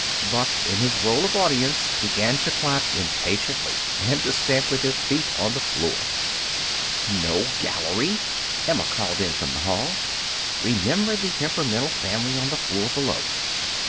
Buck, in his role of audience, began to clap impatiently and to stamp with his feet on the floor. "No gallery!" Emma called in from the hall. "Remember the temperamental family on the floor below!"